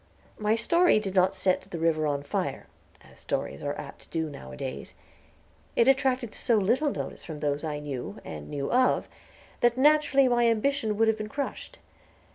My story did not set the river on fire, as stories are apt to do nowadays. It attracted so little notice from those I knew, and knew of, that naturally my ambition would have been crushed.